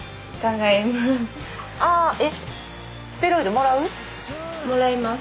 もらいます？